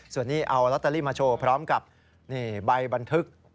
ส่วนนี้เอาลอตเตอรี่มาโชว์พร้อมกับใบบันทึก